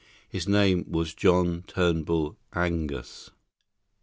His name was John Turnbull Angus.